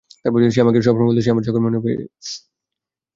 সে আমাকে সবসময় বলতো সে আমার চোখের মণি হবে।